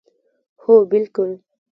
هو بلکل